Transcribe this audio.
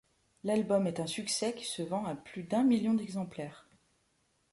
L'album est un succès qui se vend à plus d'un million d'exemplaires.